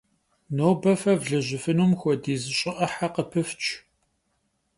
Nobe fe vlejıfınum xuediz ş'ı 'ıhe khıpıfç.